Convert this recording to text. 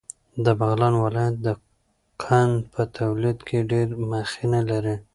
د بغلان ولایت د قند په تولید کې ډېره مخینه لري.